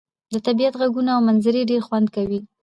د طبيعت ږغونه او منظرې ډير خوند کوي.